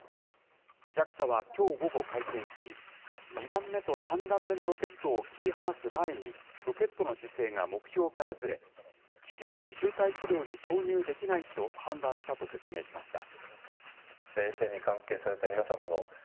ＪＡＸＡはきょう午後、会見し、２段目と３段目のロケットを切り離す前に、ロケットの姿勢が目標からずれ、地球の周回軌道に投入できないと判断したと説明しました。